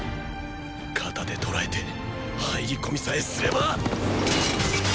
“型”で捉えて入り込みさえすれば！